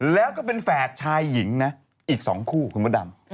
แล้วก็เป็นแฝดชายหญิงนะอีก๒คู่คุณพระดำ